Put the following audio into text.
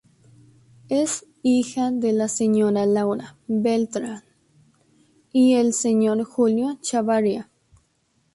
Es hija de la Señora Laura Beltrán y el Señor Julio Chavarría.